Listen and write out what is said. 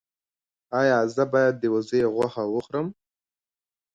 ایا زه باید د وزې غوښه وخورم؟